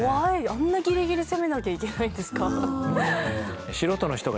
あんなギリギリ攻めなきゃいけないんですか？